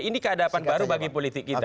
ini keadapan baru bagi politik kita